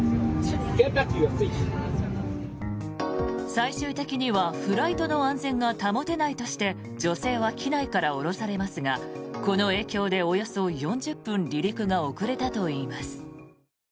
最終的にはフライトの安全が保てないとして女性は機内から降ろされますがこの影響でおよそ４０分離陸が遅れたといいます。